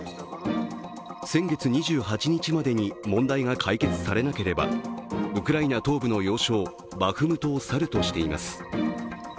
先月２８日までに問題が解決されなければウクライナ東部の要衝バフムトを去るとしています。